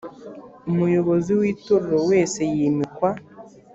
umuyobozi w itorero wese yimikwa